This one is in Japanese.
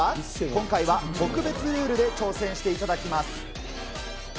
今回は特別ルールで挑戦していただきます。